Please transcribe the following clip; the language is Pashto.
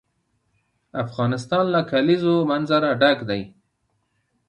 افغانستان له د کلیزو منظره ډک دی.